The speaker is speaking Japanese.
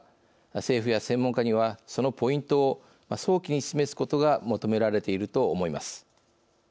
政府や専門家にはそのポイントを早期に示すことが求められていると思います。